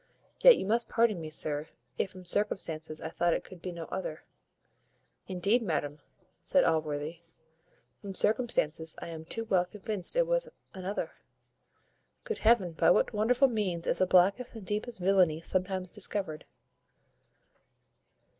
Yet you must pardon me, sir, if from circumstances I thought it could be no other." "Indeed, madam," says Allworthy, "from circumstances I am too well convinced it was another. Good Heaven! by what wonderful means is the blackest and deepest villany sometimes discovered!